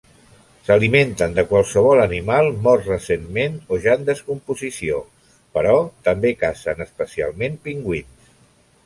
S'alimenten de qualsevol animal mort recentment o ja en descomposició, però també cacen, especialment pingüins.